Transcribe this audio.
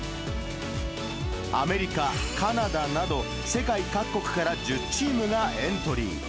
アメリカ、カナダなど、世界各国から１０チームがエントリー。